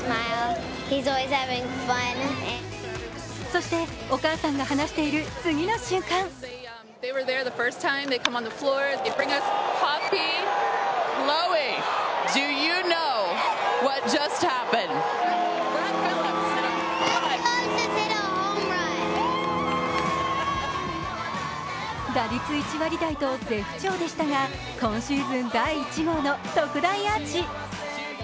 そしてお母さんが話している次の瞬間打率１割台と絶不調でしたが今シーズン第１号の特大アーチ。